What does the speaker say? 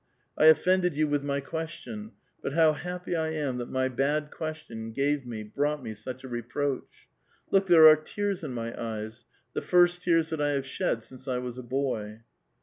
I offended you with xny question, but bow happy I am that m}* bad question gave xne, brought me, such a reproach. Look, there are tears in my eyes, the first tears that I have shed since I was a boy